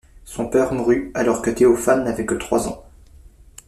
Son père mourut alors que Théophane n’avait que trois ans.